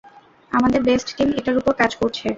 আমাদের best team এটার উপর কাজ করছে।